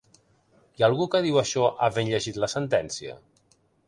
Hi ha algú que diu això havent llegit la sentència?